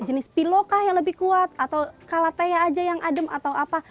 jenis pilokah yang lebih kuat atau kalateya aja yang adem atau apa